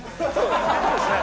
そうですね。